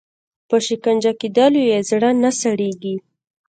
په شکنجه کېدلو یې زړه نه سړیږي.